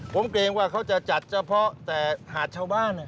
ผมเกรงว่าเขาจะจัดเฉพาะแต่หาดชาวบ้าน